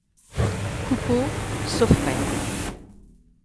Coupeau s'offrait.